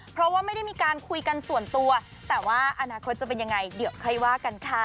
เพราะว่าไม่ได้มีการคุยกันส่วนตัวแต่ว่าอนาคตจะเป็นยังไงเดี๋ยวค่อยว่ากันค่ะ